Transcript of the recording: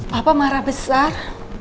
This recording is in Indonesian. papa marah besar